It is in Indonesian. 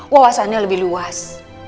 wawasannya lebih luas